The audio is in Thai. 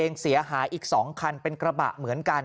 เสียหายอีก๒คันเป็นกระบะเหมือนกัน